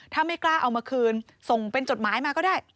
ถ้าไม่กล้าเอามาคืนส่งเป็นจดหมายมาก็ได้